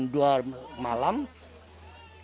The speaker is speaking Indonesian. ini perlu dipantau oleh pihak medis